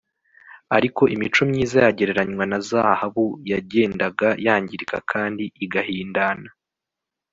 ariko imico myiza yagereranywa na zahabu yagendaga yangirika kandi igahindana